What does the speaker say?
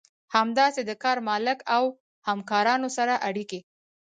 همداسې د کار مالک او همکارانو سره اړيکې.